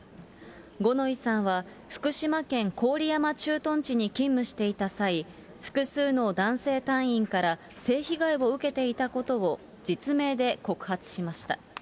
五ノ井さんは福島県郡山駐屯地に勤務していた際、複数の男性隊員から性被害を受けていたことを実名で告発しました。